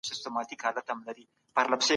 فردي ملکیت د بشر یوه فطري غریزه ده.